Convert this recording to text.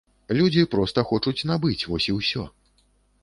Людзі проста хочуць набыць, вось і ўсё.